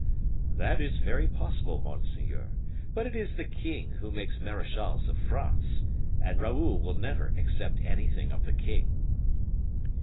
"That is very possible, monseigneur; but it is the king who makes marechals of France, and Raoul will never accept anything of the king."